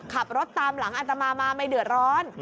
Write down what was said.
ขับรถตามหลังอัตมามาไม่เดือดร้อน